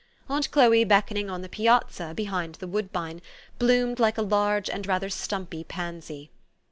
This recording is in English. Aunt Chloe beckoning on the piazza, be hind the woodbine, bloomed like a large and rather stumpy pansy.